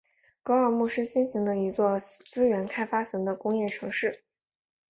格尔木是新兴的一座资源开发型的工业城市。